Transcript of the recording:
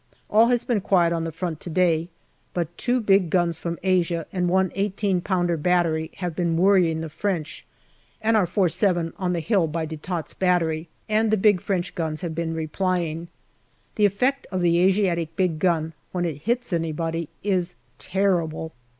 All has been quiet on the front to day, but two big guns from Asia and one i8 pounder battery have been worrying the French, and our 47 on the hill by De Tott's Battery and the big French guns have been replying. The effect of the Asiatic big gun, when it hits anybody, is terrible.